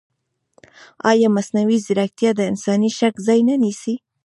ایا مصنوعي ځیرکتیا د انساني شک ځای نه نیسي؟